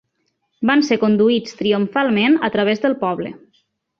Van ser conduïts triomfalment a través del poble